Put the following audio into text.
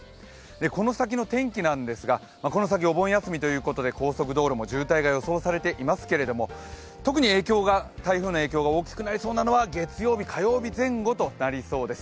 この先の天気なんですがこの先お盆休みということで高速道路も渋滞が予想されていますけれども特に台風の影響が大きくなりそうなのは、月曜日、火曜日前後となりそうです